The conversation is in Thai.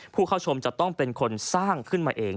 ผู้เข้าชมจะต้องเป็นคนสร้างขึ้นมาเอง